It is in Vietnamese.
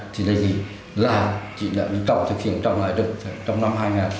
thì đề nghị là chỉ đợi bình tộc thực hiện trong ngày đừng trong năm hai nghìn một mươi bảy